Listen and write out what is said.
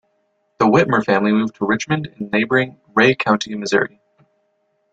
The Whitmer family moved to Richmond in neighboring Ray County, Missouri.